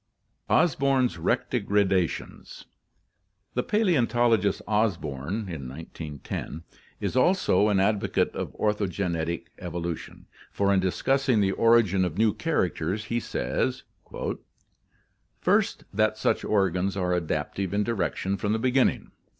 Osborn's Rectigradations. — The paleontologist Osborn is (1910) also an advocate of orthogenetic evolution, for in discussing the origin of new characters he says: "First, that such origins are adaptive in direction from the beginning.